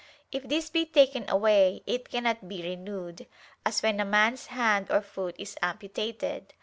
If this be taken away it cannot be renewed; as when a man's hand or foot is amputated.